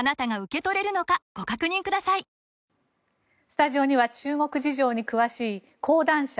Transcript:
スタジオには中国事情に詳しい講談社